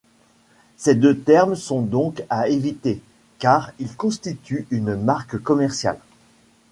Ces deux termes sont donc à éviter car ils constituent une marque commerciale.